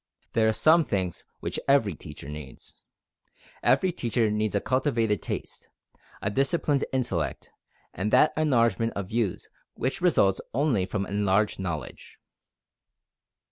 There are some things which every teacher needs. Every teacher needs a cultivated taste, a disciplined intellect, and that enlargement of views which results only from enlarged knowledge.